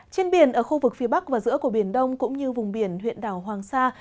trên biển ở khu vực phía bắc và giữa của biển đông cũng như vùng biển huyện đảo hoàng sa